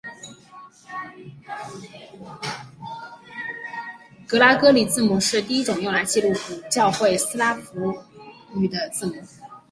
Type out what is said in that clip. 格拉哥里字母是第一种用来记录古教会斯拉夫语的字母。